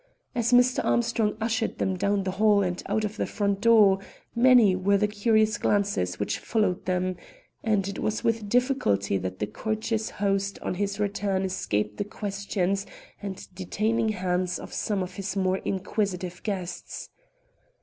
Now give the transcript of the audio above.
As Mr. Armstrong ushered them down the hall and out of the front door, many were the curious glances which followed them, and it was with difficulty that the courteous host on his return escaped the questions and detaining hands of some of his more inquisitive guests.